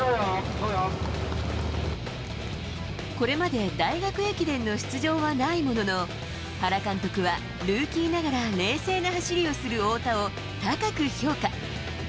これまで大学駅伝の出場はないものの原監督は、ルーキーながら冷静な走りをする太田を高く評価。